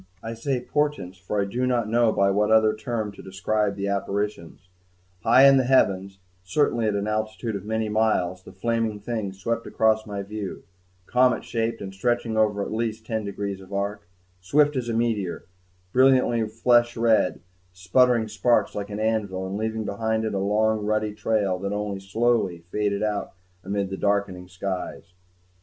I say "portents," for I do not know by what other term to describe the apparitions; high in the heavens, certainly at an altitude of many miles, the flaming thing swept across my view, comet shaped and stretching over at least ten degrees of arc, swift as a meteor, brilliantly flesh red, sputtering sparks like an anvil, and leaving behind it a long ruddy trail that only slowly faded out amid the darkening skies.